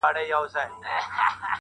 چي فلاني څنګه ناڅاپه کور واخیستی